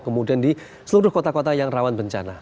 kemudian di seluruh kota kota yang rawan bencana